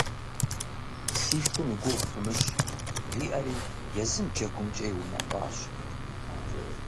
«Си шым и гугъу фымыщӀ», – жиӀэри езым джэгумкӀэ иунэтӀащ.